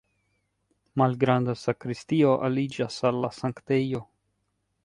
Malgranda sakristio aliĝas al la sanktejo.